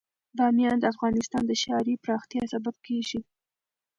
بامیان د افغانستان د ښاري پراختیا سبب کېږي.